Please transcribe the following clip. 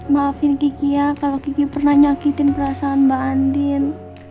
maafin kiki ya kalau kiki pernah nyakitin perasaan mbak andin